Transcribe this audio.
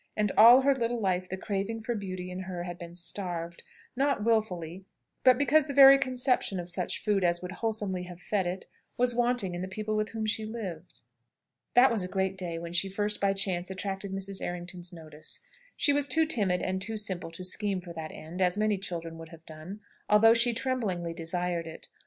And all her little life the craving for beauty in her had been starved: not wilfully, but because the very conception of such food as would wholesomely have fed it, was wanting in the people with whom she lived. That was a great day when she first, by chance, attracted Mrs. Errington's notice. She was too timid and too simple to scheme for that end, as many children would have done, although she tremblingly desired it.